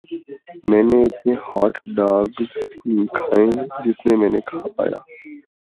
میں نے اتنے ہاٹ ڈاگز کھائیں جتنے میں کھا پایا